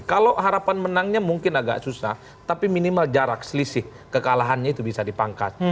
kalau harapan menangnya mungkin agak susah tapi minimal jarak selisih kekalahannya itu bisa dipangkat